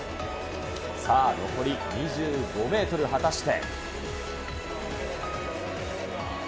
さあ、残り２５メートル、果たして。